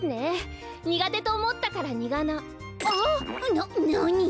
ななに？